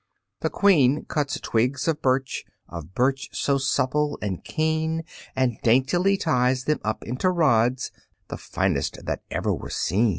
The Queen cuts twigs of birch, Of birch so supple and keen, And daintily ties them up into rods The finest that ever were seen.